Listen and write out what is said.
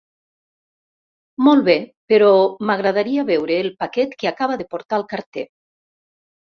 Molt bé, però m'agradaria veure el paquet que acaba de portar el carter.